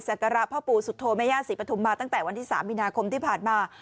ศักราบพระปู่สุธโธมะยาศิปธุมมาตั้งแต่วันที่สามมีนาคมที่ผ่านมา